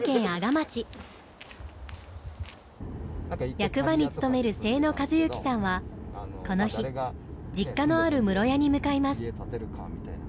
役場に勤める清野和幸さんはこの日実家のある室谷に向かいます。